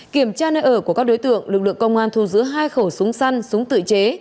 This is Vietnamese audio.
kiểm tra nơi ở của các đối tượng lực lượng công an thu giữ hai khẩu súng săn súng tự chế